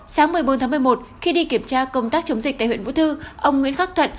sáng một mươi bốn tháng một mươi một khi đi kiểm tra công tác chống dịch tại huyện vũ thư ông nguyễn khắc thận